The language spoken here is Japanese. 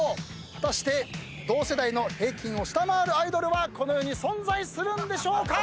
果たして同世代の平均を下回るアイドルはこの世に存在するんでしょうか？